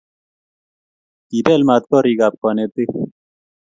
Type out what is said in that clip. Kipel mat korich ab kanetik